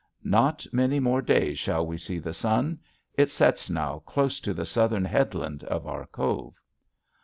Not many more days shall we see the sun; it sets now close to the southern headland of our cove.